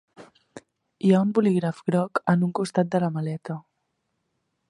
Hi ha un bolígraf groc en un costat de la maleta.